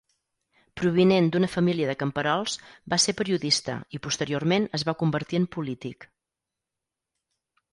Provinent d'una família de camperols, va ser periodista i posteriorment es va convertir en polític.